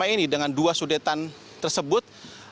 selama ini dengan dua sudetan tersebut